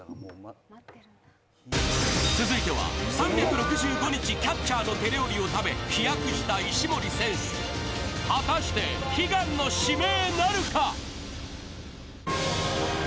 続いては３６５日キャッチャーの手料理を食べ飛躍した石森選手、果たして悲願の指名なるか？